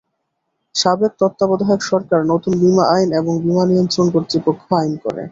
সাবেক তত্ত্বাবধায়ক সরকার নতুন বিমা আইন এবং বিমা নিয়ন্ত্রণ কর্তৃপক্ষ আইন করে।